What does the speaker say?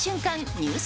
ニュース